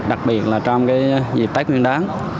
đặc biệt là trong dịp tết nguyên đáng